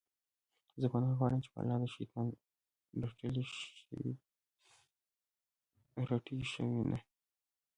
زه پناه غواړم په الله د شيطان رټلي شوي نه